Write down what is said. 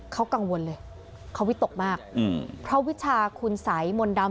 เขากังวลเลยเขาวิตกมากอืมเพราะวิชาคุณสัยมนต์ดำ